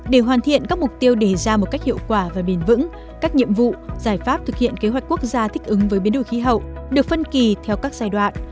để hoàn thiện các mục tiêu đề ra một cách hiệu quả và bền vững các nhiệm vụ giải pháp thực hiện kế hoạch quốc gia thích ứng với biến đổi khí hậu được phân kỳ theo các giai đoạn